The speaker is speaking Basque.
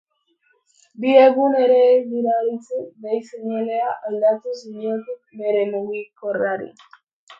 Bi egun ere ez dira Aritzek dei-seinalea aldatu zionetik bere mugikorrari.